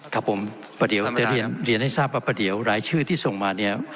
ครับผมประเดี๋ยวจะเรียนให้ทราบว่าประเดี๋ยวรายชื่อที่ส่งมาเนี่ย